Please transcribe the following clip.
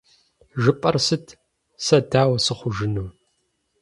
ЖыпӀэр сыт? Сэ дауэ сыхъужыну?